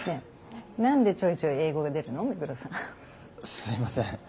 すいません。